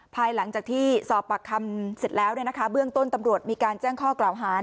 ภายหลังจากที่สอบปากคำเสร็จแล้วเบื้องต้นตำรวจมีการแจ้งข้อกล่าวหา